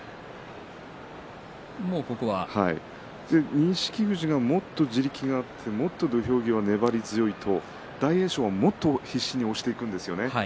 錦富士がもっと地力があってもっと土俵際、粘り強いと大栄翔も、もっと必死に押していくんですよね。